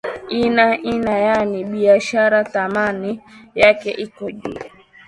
ina ina yaani biashara thamani yake iko juu